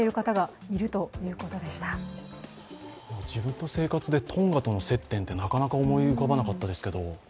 自分の生活でトンガとの接点でなかなか思い浮かばなかったです。